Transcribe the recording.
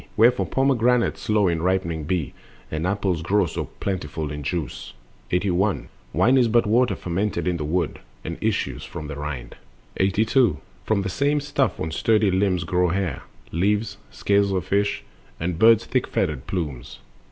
Wherefore pomegranates slow in ripening be, And apples grow so plentiful in juice. 81. Wine is but water fermented in the wood, And issues from the rind 82. From the same stuff on sturdy limbs grow hair, Leaves, scales of fish, and bird's thick feathered plumes.